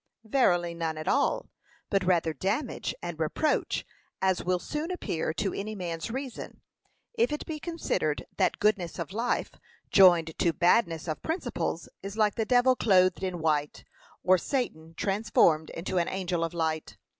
verily none at all; but rather damage and reproach, as will soon appear to any man's reason, if it be considered that goodness of life, joined to badness of principles is like the devil clothed in white, or Satan transformed into an angel of light.